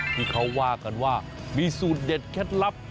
ที่เขาว่ากันว่ามีสูตรเด็ดเคล็ดลับ